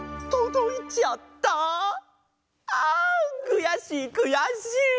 あんくやしいくやしい！